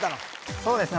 そうですね